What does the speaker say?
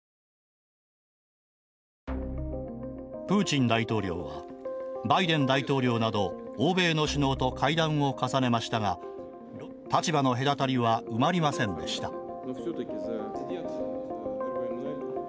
プーチン大統領はバイデン大統領など欧米の首脳と会談を重ねましたがロシアの要求は認められず立場の隔たりは埋まりませんでした。